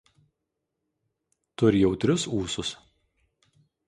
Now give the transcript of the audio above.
Turi jautrius ūsus.